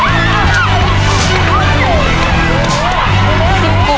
คนละ๑๐กล่องเท่านั้นนะครับ